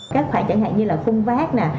các khoản chẳng hạn như là khung vác